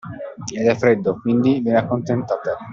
Ed è freddo, quindi ve accontentate’.